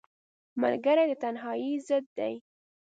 ملګری د تنهایۍ ضد دی